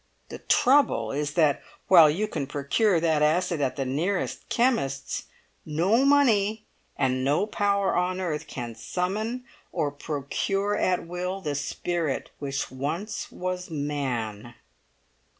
The trouble is that, while you can procure that acid at the nearest chemist's, no money and no power on earth can summon or procure at will the spirit which once was man."